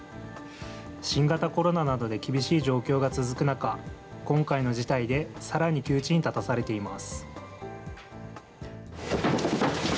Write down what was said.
新型コロナなどで厳しい状況が続く中、今回の事態でさらに窮地に立たされています。